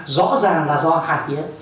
rõ ràng là do hạ nghĩa